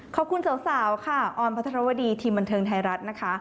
ขอบคุณสาวค่ะออนพัทรวดีทีมบันเทิงไทยรัฐนะคะ